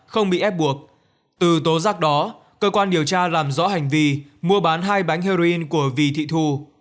không bị ép buộc từ tố giác đó cơ quan điều tra làm rõ hành vi mua bán hai bánh heroin của vy thị thu